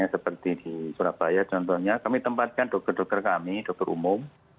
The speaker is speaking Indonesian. seperti di surabaya contohnya kami tempatkan dokter dokter kami dokter umum